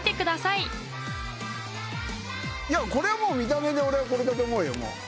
いやこれはもう見た目で俺はこれだと思うよ。